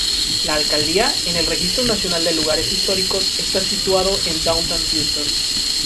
La alcaldía, en el Registro Nacional de Lugares Históricos, está situado en Downtown Houston.